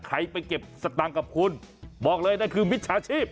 ไปเก็บสตางค์กับคุณบอกเลยนั่นคือมิจฉาชีพ